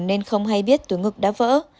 nên không hay biết túi ngực đã vỡ